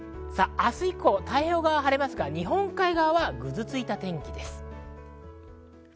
明日以降、太平洋側は晴れますが日本海側はぐずついた天気です。